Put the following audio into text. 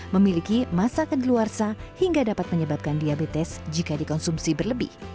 memiliki masa kedeluarsa hingga dapat menyebabkan diabetes jika dikonsumsi berlebih